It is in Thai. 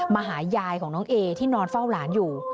มาหายายของน้องเอที่นอนเฝ้าหลานอยู่